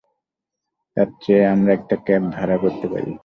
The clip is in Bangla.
তারচেয়ে আমরা একটা ক্যাব ভাড়া করতে পারি।